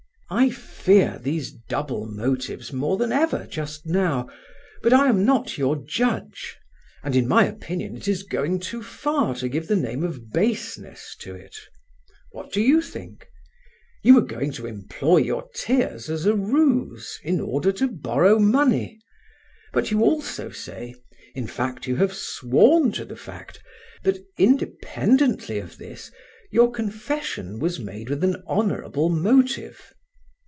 I fear these double motives more than ever just now, but I am not your judge, and in my opinion it is going too far to give the name of baseness to it—what do you think? You were going to employ your tears as a ruse in order to borrow money, but you also say—in fact, you have sworn to the fact—that independently of this your confession was made with an honourable motive.